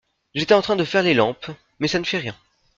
J’étais en train de faire les lampes… mais ça ne fait rien.